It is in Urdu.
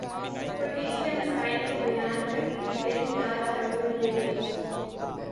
پولیس کے مسائل کو بیان کرتی فلم دال چاول ریلیز